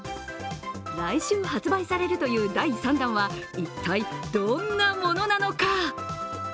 来週発売されるという第３弾は一体どんなものなのか。